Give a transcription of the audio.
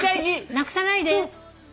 なくさないで。